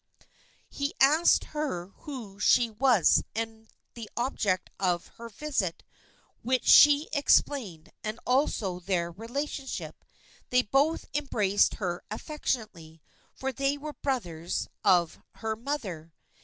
He asked her who she was and the object of her visit, which she explained, and also their relationship. Then both embraced her affectionately, for they were brothers of her mother.